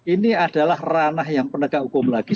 ini adalah ranah yang penegak hukum lagi